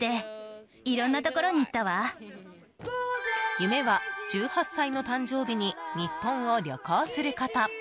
夢は１８歳の誕生日に日本を旅行すること。